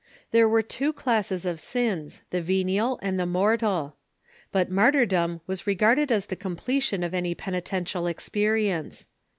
There were two classes of sins — the venial and the mortal. But martyrdom was regarded as the completion of any penitential experience.